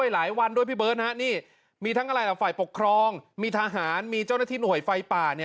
หลายวันด้วยพี่เบิร์ตนี่มีทั้งอะไรล่ะฝ่ายปกครองมีทหารมีเจ้าหน้าที่หน่วยไฟป่า